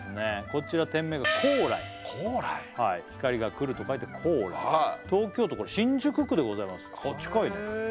こちら店名が光が来ると書いて光来東京都新宿区でございます近いね